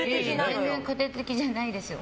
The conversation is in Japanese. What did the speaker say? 全然、家庭的じゃないですよ。